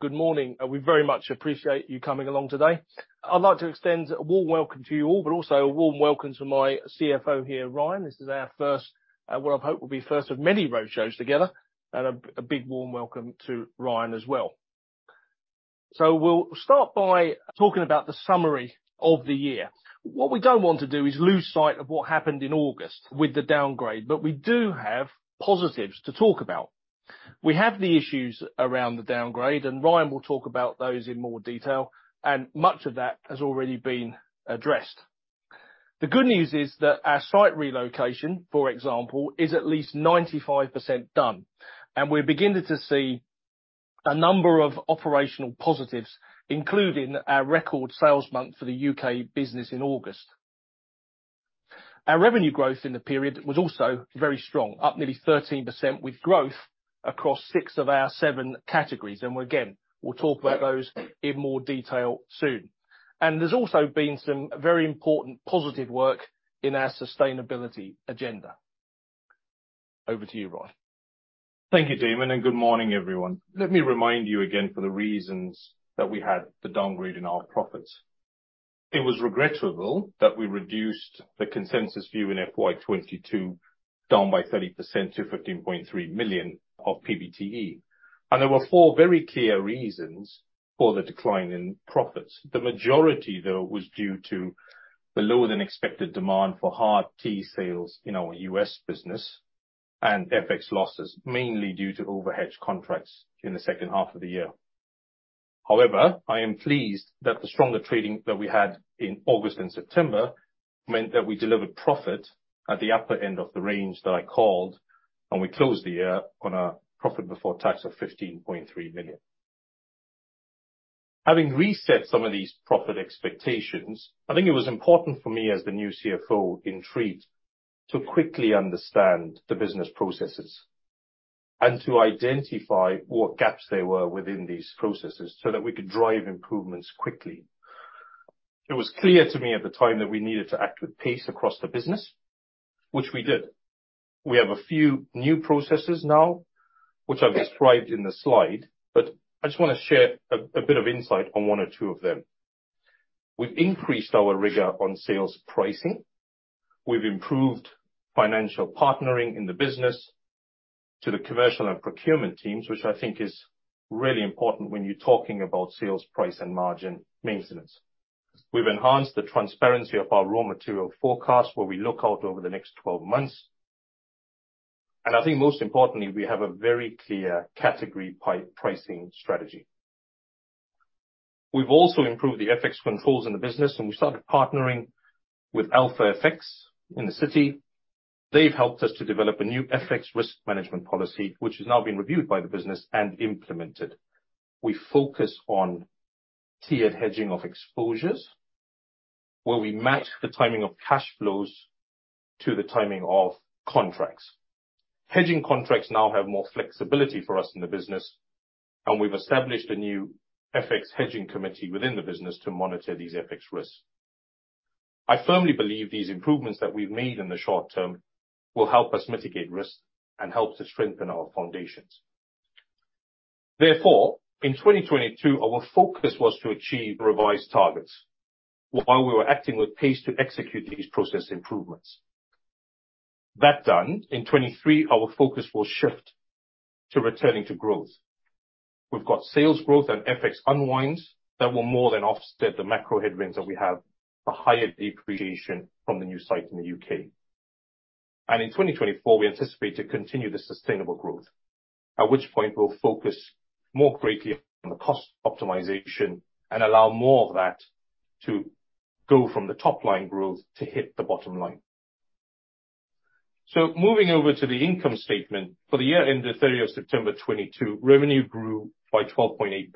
Good morning. We very much appreciate you coming along today. I'd like to extend a warm welcome to you all, but also a warm welcome to my CFO here, Ryan. This is our first, what I hope will be the first of many roadshows together, and a big warm welcome to Ryan as well. We'll start by talking about the summary of the year. What we don't want to do is lose sight of what happened in August with the downgrade. We do have positives to talk about. We have the issues around the downgrade. Ryan will talk about those in more detail. Much of that has already been addressed. The good news is that our site relocation, for example, is at least 95% done, and we're beginning to see a number of operational positives, including our record sales month for the U.K. business in August. Our revenue growth in the period was also very strong, up nearly 13% with growth across six of our seven categories. Again, we'll talk about those in more detail soon. There's also been some very important positive work in our sustainability agenda. Over to you, Ryan. Thank you, Daemmon, and good morning, everyone. Let me remind you again for the reasons that we had the downgrade in our profits. It was regrettable that we reduced the consensus view in FY 2022, down by 30% to 15.3 million of PBTE. There were four very clear reasons for the decline in profits. The majority, though, was due to the lower than expected demand for hard tea sales in our U.S. business and FX losses, mainly due to overhedged contracts in the second half of the year. I am pleased that the stronger trading that we had in August and September meant that we delivered profit at the upper end of the range that I called, and we closed the year on a profit before tax of 15.3 million. Having reset some of these profit expectations, I think it was important for me as the new CFO in TREATT, to quickly understand the business processes and to identify what gaps there were within these processes so that we could drive improvements quickly. It was clear to me at the time that we needed to act with pace across the business, which we did. We have a few new processes now, which I've described in the slide, but I just wanna share a bit of insight on one or two of them. We've increased our rigor on sales pricing. We've improved financial partnering in the business to the commercial and procurement teams, which I think is really important when you're talking about sales price and margin maintenance. We've enhanced the transparency of our raw material forecast, where we look out over the next 12 months. I think most importantly, we have a very clear category pricing strategy. We've also improved the FX controls in the business, and we started partnering with Alpha FX in the city. They've helped us to develop a new FX risk management policy, which is now being reviewed by the business and implemented. We focus on tiered hedging of exposures, where we match the timing of cash flows to the timing of contracts. Hedging contracts now have more flexibility for us in the business, and we've established a new FX hedging committee within the business to monitor these FX risks. I firmly believe these improvements that we've made in the short term will help us mitigate risks and help to strengthen our foundations. Therefore, in 2022, our focus was to achieve revised targets while we were acting with pace to execute these process improvements. That done, in 2023, our focus will shift to returning to growth. We've got sales growth and FX unwinds that will more than offset the macro headwinds that we have for higher depreciation from the new site in the U.K. In 2024, we anticipate to continue the sustainable growth, at which point we'll focus more greatly on the cost optimization and allow more of that to go from the top line growth to hit the bottom line. Moving over to the income statement. For the year ending 30 of September 2022, revenue grew by 12.8%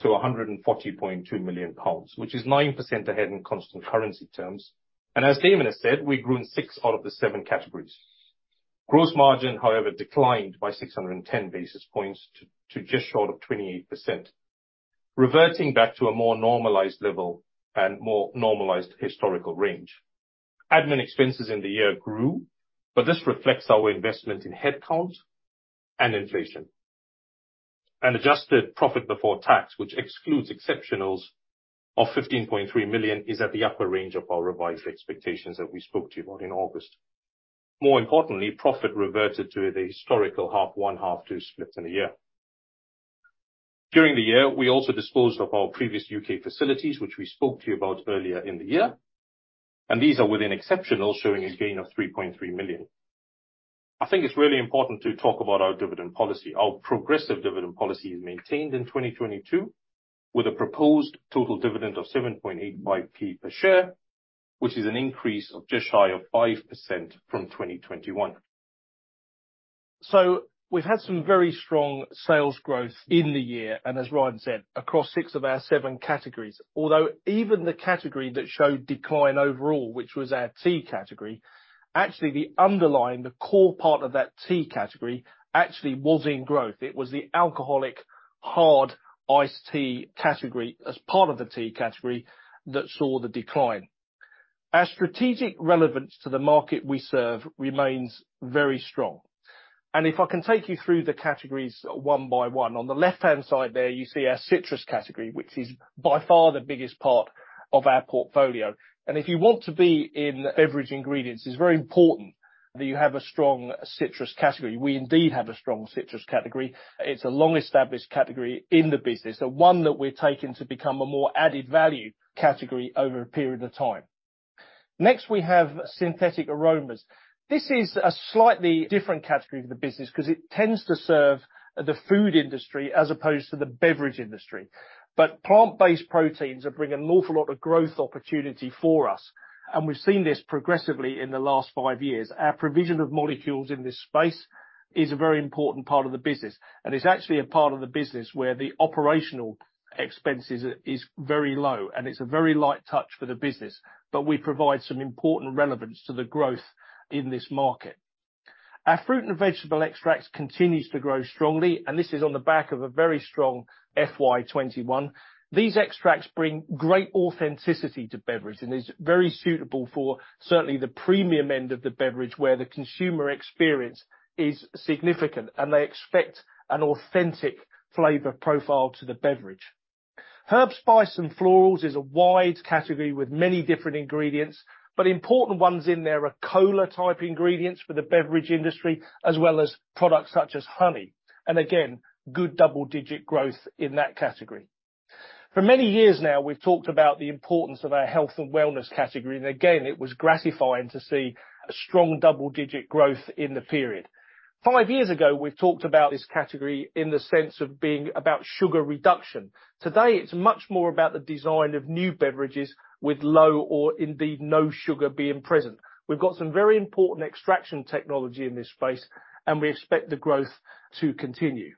to 140.2 million pounds, which is 9% ahead in constant currency terms. As Daemmon has said, we grew in six out of the seven categories. Gross margin, however, declined by 610 basis points to just short of 28%, reverting back to a more normalized level and more normalized historical range. Admin expenses in the year grew, but this reflects our investment in headcount and inflation. An adjusted profit before tax, which excludes exceptionals of 15.3 million, is at the upper range of our revised expectations that we spoke to you about in August. More importantly, profit reverted to the historical half one, half two splits in a year. During the year, we also disposed of our previous U.K. facilities, which we spoke to you about earlier in the year. These are within exceptional, showing a gain of 3.3 million. I think it's really important to talk about our dividend policy. Our progressive dividend policy is maintained in 2022, with a proposed total dividend of 0.0785 per share, which is an increase of just higher 5% from 2021. We've had some very strong sales growth in the year, and as Ryan said, across six of our seven categories. Although even the category that showed decline overall, which was our tea category, actually the underlying, the core part of that tea category actually was in growth. It was the alcoholic hard iced tea category as part of the tea category that saw the decline. Our strategic relevance to the market we serve remains very strong. If I can take you through the categories one by one. On the left-hand side there, you see our citrus category, which is by far the biggest part of our portfolio. If you want to be in beverage ingredients, it's very important that you have a strong citrus category. We indeed have a strong citrus category. It's a long-established category in the business, the one that we're taking to become a more added value category over a period of time. We have synthetic aromas. This is a slightly different category of the business 'cause it tends to serve the food industry as opposed to the beverage industry. Plant-based proteins are bringing an awful lot of growth opportunity for us, and we've seen this progressively in the last five years. Our provision of molecules in this space is a very important part of the business, and it's actually a part of the business where the operational expenses is very low, and it's a very light touch for the business. We provide some important relevance to the growth in this market. Our fruit and vegetable extracts continues to grow strongly, and this is on the back of a very strong FY 2021. These extracts bring great authenticity to beverage and is very suitable for certainly the premium end of the beverage, where the consumer experience is significant, and they expect an authentic flavor profile to the beverage. Herbs, spices, and florals is a wide category with many different ingredients, but important ones in there are cola-type ingredients for the beverage industry, as well as products such as honey. Good double-digit growth in that category. For many years now, we've talked about the importance of our health and wellness category. It was gratifying to see a strong double-digit growth in the period. Five years ago, we've talked about this category in the sense of being about sugar reduction. Today, it's much more about the design of new beverages with low or indeed no sugar being present. We've got some very important extraction technology in this space. We expect the growth to continue.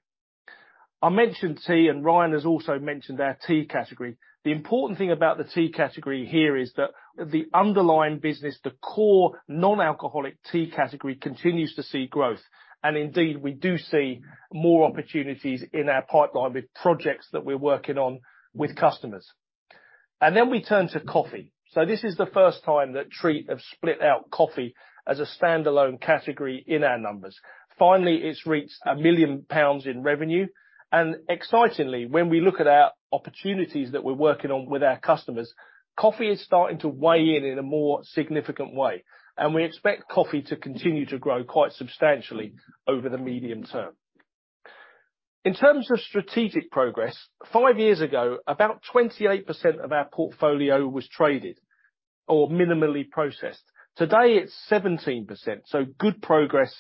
I mentioned tea. Ryan has also mentioned our tea category. The important thing about the tea category here is that the underlying business, the core non-alcoholic tea category, continues to see growth. Indeed, we do see more opportunities in our pipeline with projects that we're working on with customers. We turn to coffee. This is the first time that TREATT have split out coffee as a standalone category in our numbers. Finally, it's reached 1 million pounds in revenue. Excitingly, when we look at our opportunities that we're working on with our customers, coffee is starting to weigh in in a more significant way, and we expect coffee to continue to grow quite substantially over the medium term. In terms of strategic progress, five years ago, about 28% of our portfolio was traded or minimally processed. Today, it's 17%, so good progress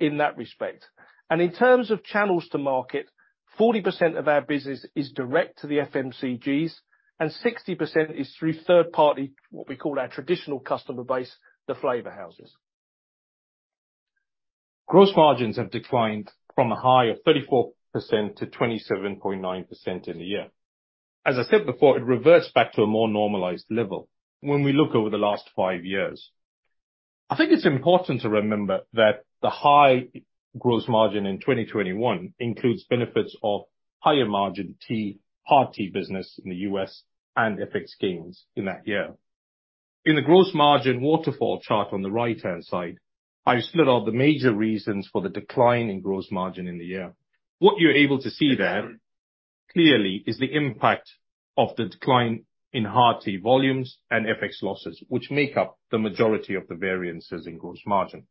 in that respect. In terms of channels to market, 40% of our business is direct to the FMCGs and 60% is through third party, what we call our traditional customer base, the flavor houses. Gross margins have declined from a high of 34% to 27.9% in the year. As I said before, it reverts back to a more normalized level when we look over the last five years. I think it's important to remember that the high gross margin in 2021 includes benefits of higher margin tea, hard tea business in the U.S. and FX gains in that year. In the gross margin waterfall chart on the right-hand side, I've split out the major reasons for the decline in gross margin in the year. What you're able to see there clearly is the impact of the decline in hard tea volumes and FX losses, which make up the majority of the variances in gross margin.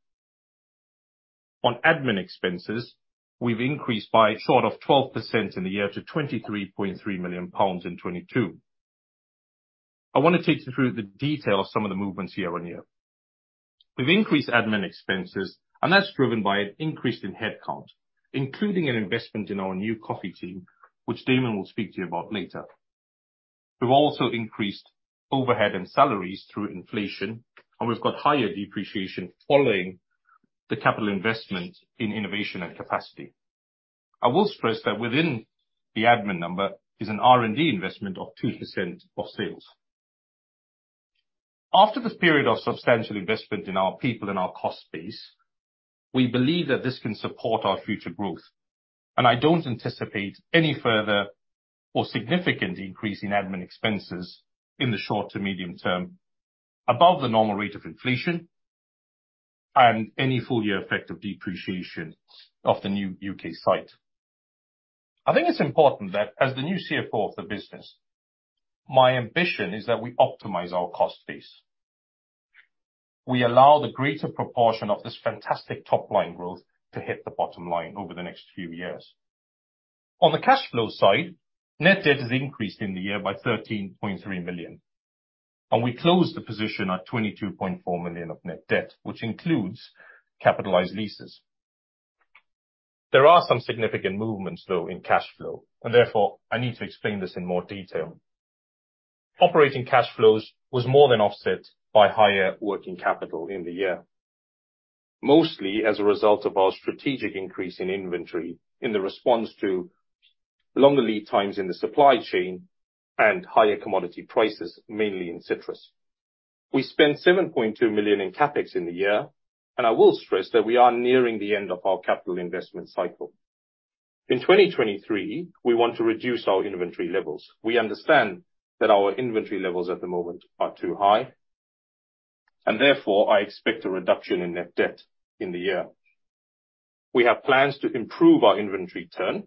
On admin expenses, we've increased by short of 12% in the year to 23.3 million pounds in 2022. I wanna take you through the detail of some of the movements year-over-year. We've increased admin expenses, that's driven by an increase in headcount, including an investment in our new coffee team, which Daemmon will speak to you about later. We've also increased overhead and salaries through inflation, we've got higher depreciation following the capital investment in innovation and capacity. I will stress that within the admin number is an R&D investment of 2% of sales. After this period of substantial investment in our people and our cost base, we believe that this can support our future growth, I don't anticipate any further or significant increase in admin expenses in the short to medium term above the normal rate of inflation and any full year effect of depreciation of the new U.K. site. I think it's important that as the new CFO of the business, my ambition is that we optimize our cost base. We allow the greater proportion of this fantastic top-line growth to hit the bottom line over the next few years. On the cash flow side, net debt has increased in the year by 13.3 million, and we closed the position at 22.4 million of net debt, which includes capitalized leases. There are some significant movements, though, in cash flow, and therefore, I need to explain this in more detail. Operating cash flows was more than offset by higher working capital in the year, mostly as a result of our strategic increase in inventory in the response to longer lead times in the supply chain and higher commodity prices, mainly in citrus. We spent 7.2 million in CapEx in the year. I will stress that we are nearing the end of our capital investment cycle. In 2023, we want to reduce our inventory levels. We understand that our inventory levels at the moment are too high, and therefore, I expect a reduction in net debt in the year. We have plans to improve our inventory turn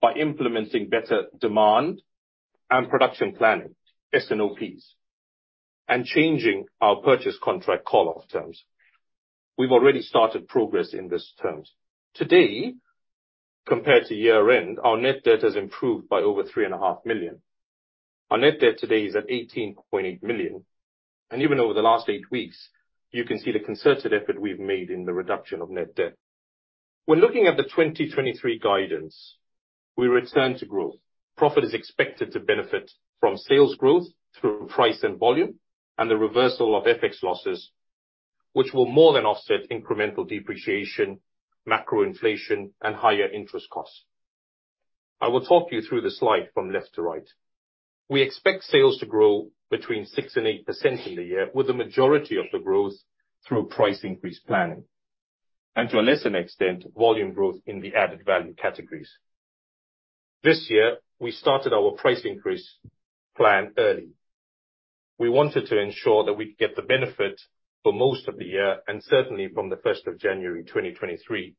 by implementing better demand and production planning, S&OPs, and changing our purchase contract call-off terms. We've already started progress in these terms. Today, compared to year-end, our net debt has improved by over 3.5 million. Our net debt today is at 18.8 million, and even over the last eight weeks, you can see the concerted effort we've made in the reduction of net debt. When looking at the 2023 guidance, we return to growth. Profit is expected to benefit from sales growth through price and volume, and the reversal of FX losses, which will more than offset incremental depreciation, macro inflation, and higher interest costs. I will talk you through the slide from left to right. We expect sales to grow between 6%-8% in the year, with the majority of the growth through price increase planning, and to a lesser extent, volume growth in the added value categories. This year, we started our price increase plan early. We wanted to ensure that we'd get the benefit for most of the year, and certainly from January 1, 2023,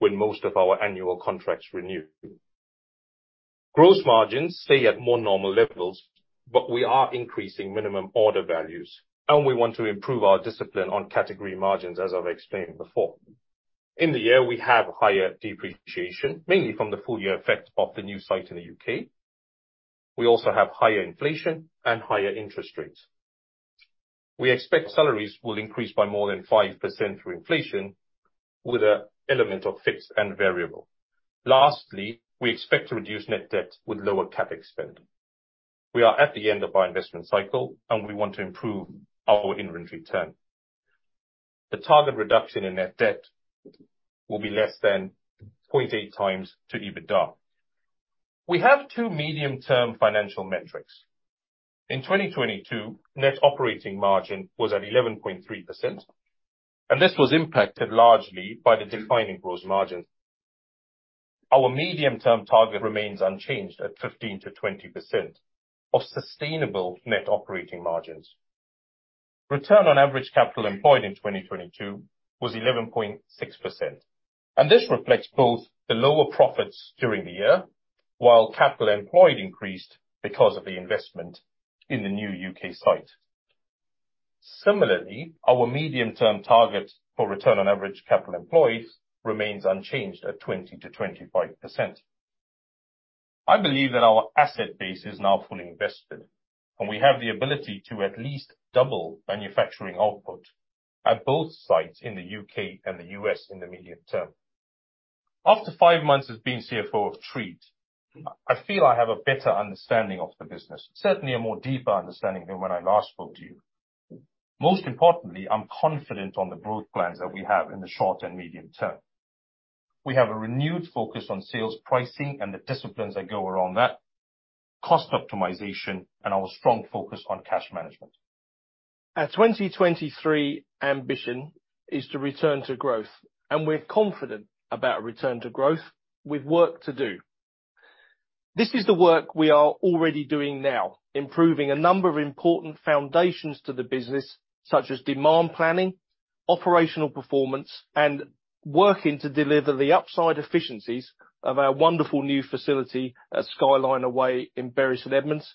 when most of our annual contracts renew. Gross margins, stay at more normal levels, but we are increasing minimum order values, and we want to improve our discipline on category margins, as I've explained before. In the year, we have higher depreciation, mainly from the full year effect of the new site in the U.K.. We also have higher inflation and higher interest rates. We expect salaries will increase by more than 5% through inflation with an element of fixed and variable. Lastly, we expect to reduce net debt with lower CapEx spend. We are at the end of our investment cycle, and we want to improve our inventory turn. The target reduction in net debt will be less than 0.8x to EBITDA. We have two medium-term financial metrics. In 2022, net operating margin was at 11.3%, and this was impacted largely by the decline in gross margins. Our medium-term target remains unchanged at 15%-20% of sustainable net operating margins. Return on average capital employed in 2022 was 11.6%. This reflects both the lower profits during the year, while capital employed increased because of the investment in the new U.K. site. Similarly, our medium-term target for return on average capital employed remains unchanged at 20%-25%. I believe that our asset base is now fully invested, and we have the ability to at least double manufacturing output at both sites in the U.K. and the U.S. in the medium term. After five months of being CFO of TREATT, I feel I have a better understanding of the business, certainly a more deeper understanding than when I last spoke to you. Most importantly, I'm confident on the growth plans that we have in the short and medium term. We have a renewed focus on sales pricing and the disciplines that go around that, cost optimization, and our strong focus on cash management. Our 2023 ambition is to return to growth. We're confident about a return to growth with work to do. This is the work we are already doing now, improving a number of important foundations to the business, such as demand planning, operational performance, and working to deliver the upside efficiencies of our wonderful new facility at Skyliner Way in Bury St. Edmunds,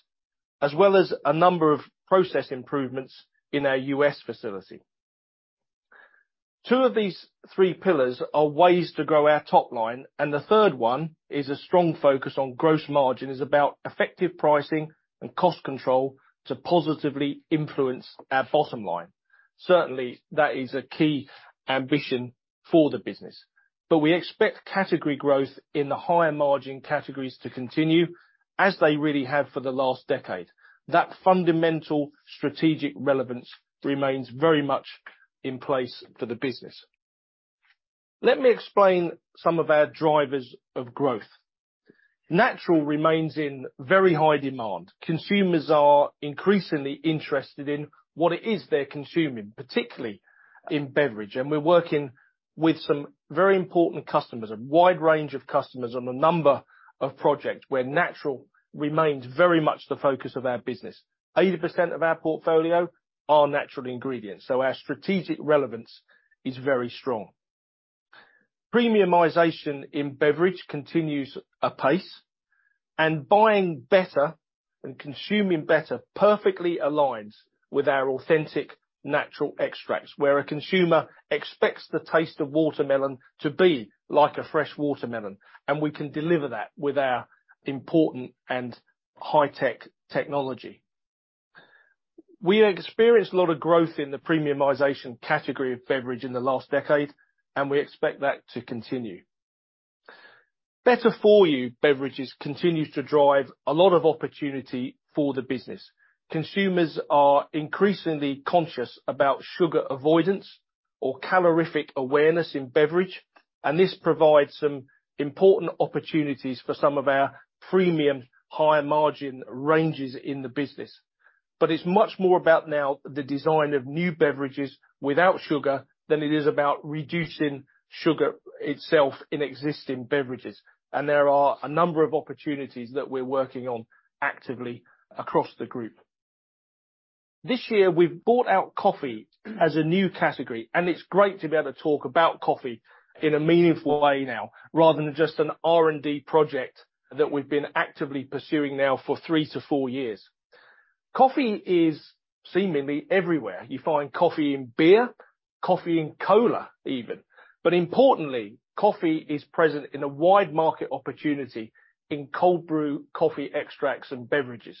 as well as a number of process improvements in our U.S. facility. Two of these three pillars are ways to grow our top line, and the third one is a strong focus on gross margin, is about effective pricing and cost control to positively influence our bottom line. Certainly, that is a key ambition for the business. We expect category growth in the higher margin categories to continue as they really have for the last decade. That fundamental strategic relevance remains very much in place for the business. Let me explain some of our drivers of growth. Natural remains in very high demand. Consumers are increasingly interested in what it is they're consuming, particularly in beverage. We're working with some very important customers, a wide range of customers on a number of projects where natural remains very much the focus of our business. 80% of our portfolio are natural ingredients, so our strategic relevance is very strong. Premiumization in beverage continues apace, and buying better and consuming better perfectly aligns with our authentic natural extracts, where a consumer expects the taste of watermelon to be like a fresh watermelon, and we can deliver that with our important and high-tech technology. We experienced a lot of growth in the premiumization category of beverage in the last decade, and we expect that to continue. Better For You beverages continues to drive a lot of opportunity for the business. Consumers are increasingly conscious about sugar avoidance or calorific awareness in beverage, and this provides some important opportunities for some of our premium higher-margin ranges in the business. It's much more about now the design of new beverages without sugar than it is about reducing sugar itself in existing beverages. There are a number of opportunities that we're working on actively across the group. This year, we've brought out coffee as a new category, and it's great to be able to talk about coffee in a meaningful way now, rather than just an R&D project that we've been actively pursuing now for three to four years. Coffee is seemingly everywhere. You find coffee in beer, coffee in cola, even. Importantly, coffee is present in a wide market opportunity in cold brew coffee extracts and beverages.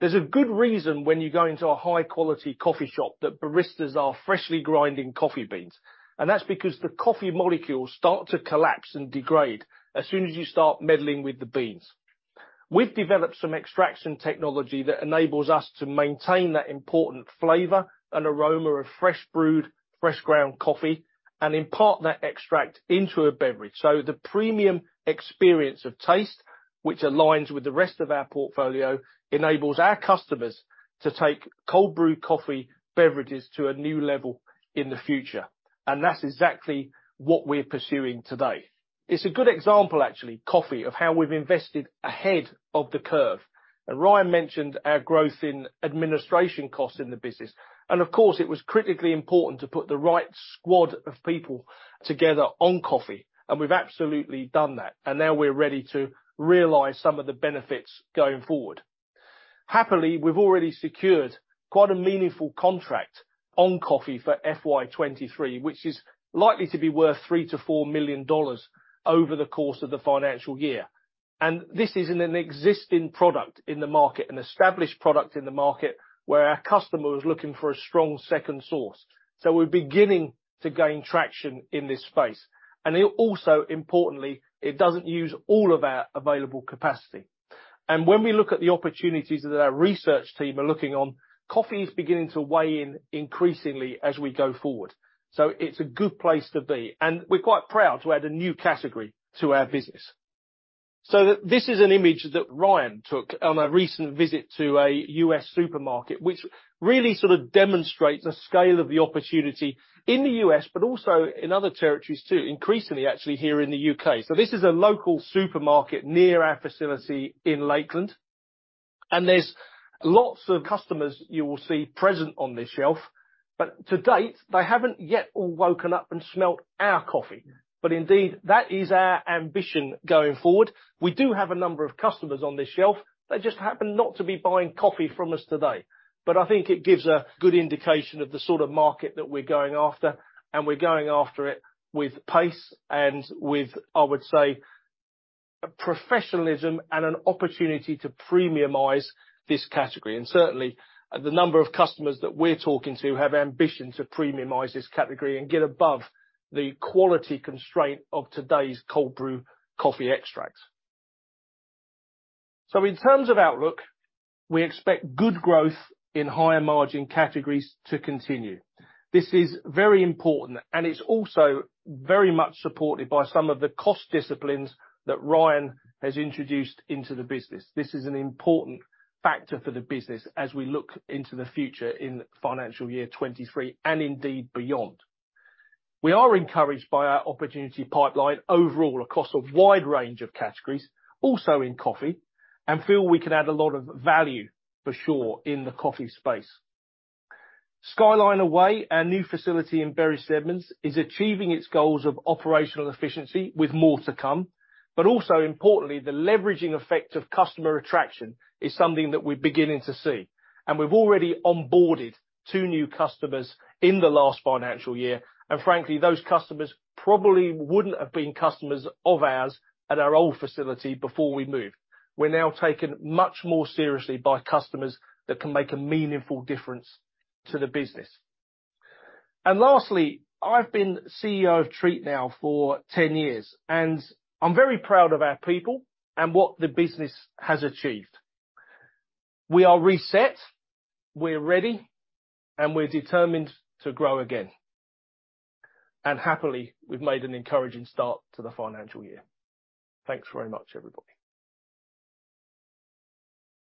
There's a good reason when you go into a high-quality coffee shop that baristas are freshly grinding coffee beans, and that's because the coffee molecules start to collapse and degrade as soon as you start meddling with the beans. We've developed some extraction technology that enables us to maintain that important flavor and aroma of fresh brewed, fresh ground coffee and impart that extract into a beverage. The premium experience of taste, which aligns with the rest of our portfolio, enables our customers to take cold brew coffee beverages to a new level in the future. That's exactly what we're pursuing today. It's a good example, actually, coffee, of how we've invested ahead of the curve. Ryan mentioned our growth in administration costs in the business. Of course, it was critically important to put the right squad of people together on coffee, and we've absolutely done that. Now we're ready to realize some of the benefits going forward. Happily, we've already secured quite a meaningful contract on coffee for FY 2023, which is likely to be worth $3 million-$4 million over the course of the financial year. This is in an existing product in the market, an established product in the market, where our customer was looking for a strong second source. We're beginning to gain traction in this space. It also, importantly, it doesn't use all of our available capacity. When we look at the opportunities that our research team are looking on, coffee is beginning to weigh in increasingly as we go forward. It's a good place to be, and we're quite proud to add a new category to our business. This is an image that Ryan took on a recent visit to a U.S. supermarket, which really sort of demonstrates the scale of the opportunity in the U.S., but also in other territories too, increasingly actually here in the U.K. This is a local supermarket near our facility in Lakeland. There's lots of customers you will see present on this shelf. To date, they haven't yet all woken up and smelled our coffee. Indeed, that is our ambition going forward. We do have a number of customers on this shelf. They just happen not to be buying coffee from us today. I think it gives a good indication of the sort of market that we're going after, and we're going after it with pace and with, I would say, a professionalism and an opportunity to premiumize this category. Certainly, the number of customers that we're talking to have ambition to premiumize this category and get above the quality constraint of today's cold brew coffee extract. In terms of outlook, we expect good growth in higher margin categories to continue. This is very important, and it's also very much supported by some of the cost disciplines that Ryan has introduced into the business. This is an important factor for the business as we look into the future in financial year 2023 and indeed beyond. We are encouraged by our opportunity pipeline overall across a wide range of categories, also in coffee, and feel we can add a lot of value for sure in the coffee space. Skyliner Way, our new facility in Bury St. Edmunds, is achieving its goals of operational efficiency with more to come. Also importantly, the leveraging effect of customer attraction is something that we're beginning to see. We've already onboarded two new customers in the last financial year. Frankly, those customers probably wouldn't have been customers of ours at our old facility before we moved. We're now taken much more seriously by customers that can make a meaningful difference to the business. Lastly, I've been CEO of TREATT now for 10 years, and I'm very proud of our people and what the business has achieved. We are reset, we're ready, and we're determined to grow again. Happily, we've made an encouraging start to the financial year. Thanks very much, everybody.